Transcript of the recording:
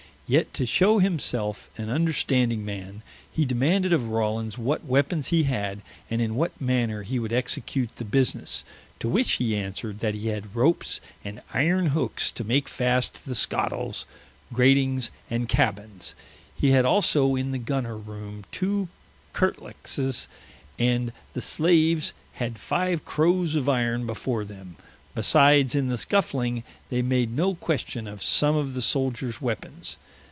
Yet to shew himselfe an understanding man, hee demanded of Rawlins, what weapons he had, and in what manner he would execute the businesse: to which he answered, that he had Ropes, and Iron Hookes to make fast the Scottels, Gratings, and Cabbines, he had also in the Gunner roome two Curtleaxes, and the slaves had five Crowes of Iron before them: Besides, in the scuffling they made no question of some of the Souldiers weapons.